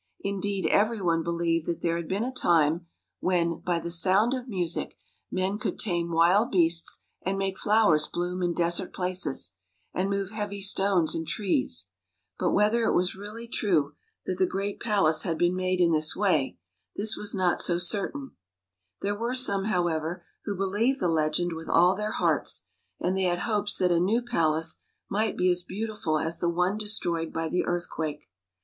Indeed, every one believed that there had been a time when, by the sound of music, men could tame wild beasts and make flowers bloom in desert places, and move heavy stones and trees. But whether it was really true that the great 80 THE PALACE MADE BY MUSIC palace had been made in this way — this was not so certain. There were some, however, who believed the legend with all their hearts, and they had hopes that a new palace might be made as beautiful as the one destroyed by the earthquake.